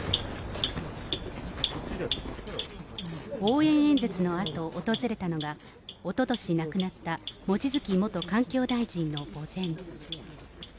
応援演説のあと、訪れたのは、おととし亡くなった望月元環境大臣の墓前。